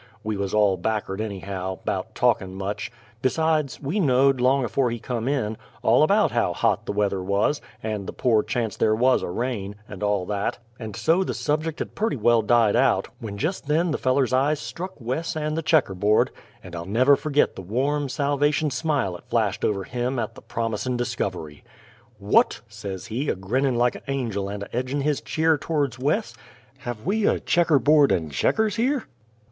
We wuz all back'ard, anyhow, 'bout talkin' much; besides, we knowed, long afore he come in, all about how hot the weather wuz, and the pore chance there wuz o' rain, and all that; and so the subject had purty well died out, when jest then the feller's eyes struck Wes and the checker board, and I'll never fergit the warm, salvation smile 'at flashed over him at the promisin' discovery. "What!" says he, a grinnin' like a' angel and a edgin' his cheer to'rds Wes, "have we a checker board and checkers here?"